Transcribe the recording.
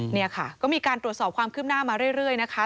นี่ค่ะก็มีการตรวจสอบความคืบหน้ามาเรื่อยนะคะ